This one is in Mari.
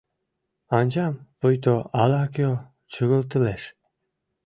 Анчам пуйто ала-кӧ чыгылтылеш: